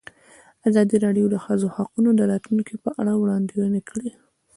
ازادي راډیو د د ښځو حقونه د راتلونکې په اړه وړاندوینې کړې.